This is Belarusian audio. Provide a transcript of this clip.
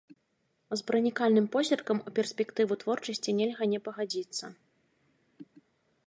З пранікальным позіркам у перспектыву творчасці нельга не пагадзіцца.